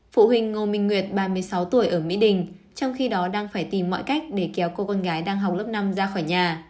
phụ huynh ngô minh nguyệt ba mươi sáu tuổi ở mỹ đình trong khi đó đang phải tìm mọi cách để kéo cô con gái đang học lớp năm ra khỏi nhà